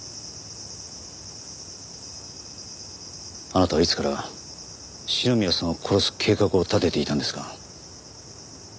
あなたはいつから篠宮さんを殺す計画を立てていたんですか？